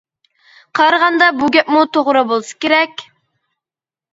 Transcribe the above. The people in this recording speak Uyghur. قارىغاندا بۇ گەپمۇ توغرا بولسا كېرەك.